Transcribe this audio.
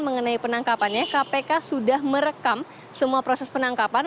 mengenai penangkapannya kpk sudah merekam semua proses penangkapan